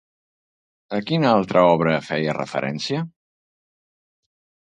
A quina altra obra feia referència?